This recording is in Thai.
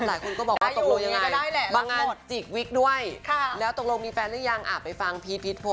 หลายคนก็บอกว่าตกลงยังไงบางงานจีกวิกด้วยแล้วตกลงมีแฟนหรือยังอ่ะไปฟังพี่พีชพล